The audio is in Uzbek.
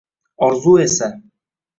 Orzu esa…